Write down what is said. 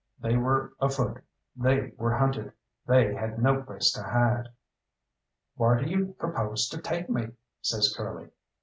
They were afoot, they were hunted, they had no place to hide. "Whar do you propose to take me?" says Curly.